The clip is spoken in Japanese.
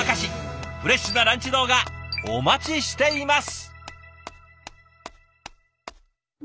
フレッシュなランチ動画お待ちしています！